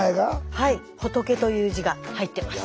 はい「佛」という字が入ってます。